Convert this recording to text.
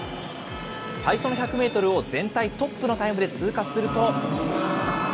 最初の１００メートルを全体トップのタイムで通過すると。